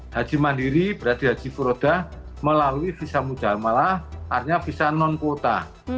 haji mandiri berarti haji furodah melalui visa muja'at malah artinya visa non kuota